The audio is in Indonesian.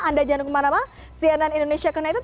anda jangan lupa nama cnn indonesia connected